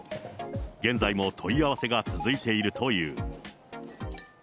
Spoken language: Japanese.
現在も問い合わせが続いているという。